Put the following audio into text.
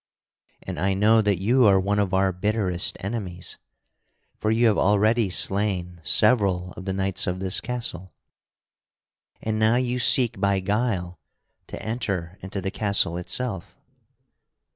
And I know that you are one of our bitterest enemies; for you have already slain several of the knights of this castle, and now you seek by guile to enter into the castle itself."